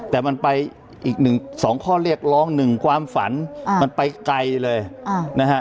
แต่มันไปอีก๒ข้อเรียกร้อง๑ความฝันมันไปไกลเลยนะฮะ